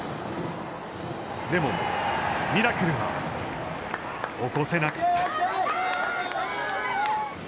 でも、ミラクルは起こせなかった。